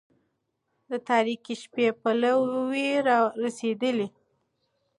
د تاريكي شپې پلو را رسېدلى